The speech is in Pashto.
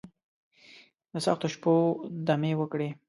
دسختو شپو، دمې وکړي